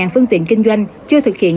một mươi phương tiện kinh doanh chưa thực hiện